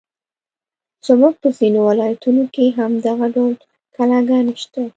زموږ په ځینو ولایتونو کې هم دغه ډول کلاګانې شته.